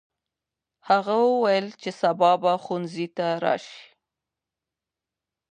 هغه وویل چې سبا به ښوونځي ته راسي.